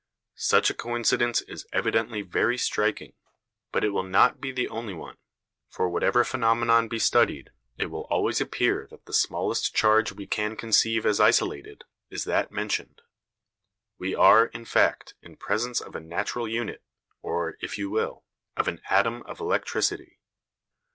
Such a coincidence is evidently very striking; but it will not be the only one, for whatever phenomenon be studied it will always appear that the smallest charge we can conceive as isolated is that mentioned. We are, in fact, in presence of a natural unit, or, if you will, of an atom of electricity.